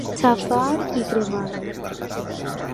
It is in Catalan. Xafar i cremar.